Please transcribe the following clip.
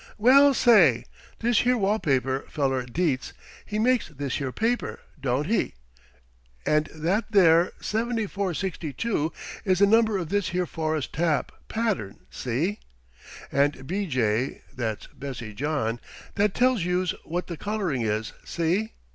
"Well, say! This here wall paper feller Dietz he makes this here paper, don't he? And that there 7462 is the number of this here forest tap. pattern, see? And B J that's Bessie John that tells youse what the coloring is, see?